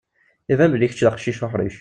Iban belli kečči d aqcic uḥṛic.